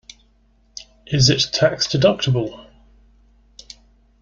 Is it tax-deductible?